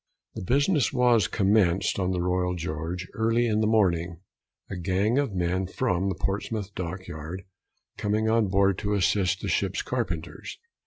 The business was commenced on the Royal George early in the morning, a gang of men from the Portsmouth Dock yard coming on board to assist the ship's carpenters.